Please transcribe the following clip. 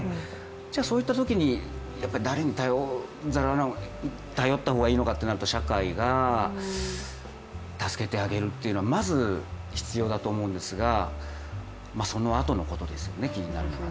じゃあそういったときに、誰に頼った方がいいのかとなると社会が助けてあげるというのはまず必要だと思うんですが、そのあとのことですよね、気になるのは。